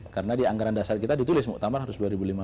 karena di anggaran dasar kita ditulis muqtamar harus dua ribu lima belas